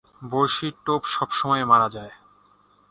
বড়শির টোপ সবসময় মারা যায়।